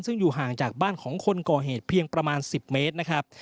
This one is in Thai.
ซึ่งอยู่ห่างจากบ้านของคนก่อเหตุเพียงประมาณ๑๐เมตรนะครับ